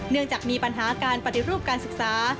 เนื่องจากมีปัญหาการปฏิรูปการศึกษา